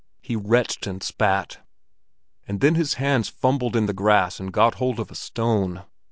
He retched and spat; and then his hands fumbled in the grass and got hold of a stone.